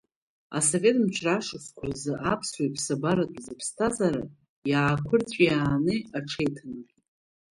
Асовет мчра ашықәсқәа рзы аԥсуа иԥсабаратәыз иԥсҭазаара иаақәырҵәиааны аҽеиҭанакит.